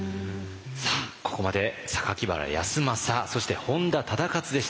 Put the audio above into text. さあここまで榊原康政そして本多忠勝でした。